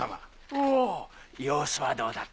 おお様子はどうだった？